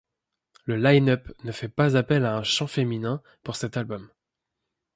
Le line up ne fait pas appel à un chant féminin pour cet album.